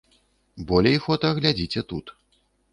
Болей фота глядзіце тут.